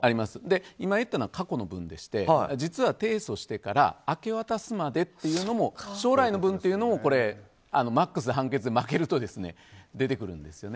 今言ったのは過去の分で実は提訴してから明け渡すまでっていうのも将来の分もマックスで判決で負けると出てくるんです。